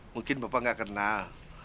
mungkin bapak gak kenal